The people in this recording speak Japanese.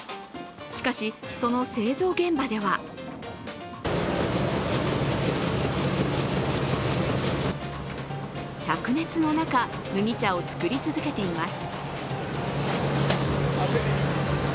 しかし、その製造現場ではしゃく熱の中、麦茶を作り続けています。